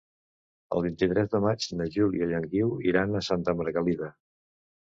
El vint-i-tres de maig na Júlia i en Guiu iran a Santa Margalida.